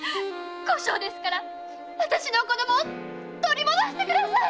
後生ですから私の子供を取り戻してください！